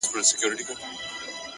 هره لاسته راوړنه د لومړي ګام پور لري!.